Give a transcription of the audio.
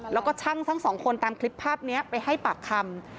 แล้วก็ช่างทั้งสองคนตามคลิปภาพนี้ไปให้ปากคำ